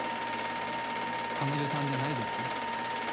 彼女さんじゃないですよ。